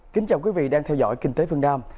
kính chào quý vị đang theo dõi kinh tế phương nam